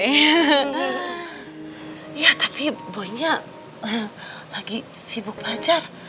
iya tapi bonya lagi sibuk belajar